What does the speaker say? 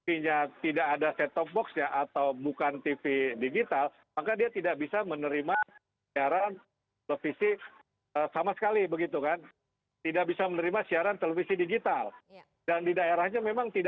ini bagaimana kesiapannya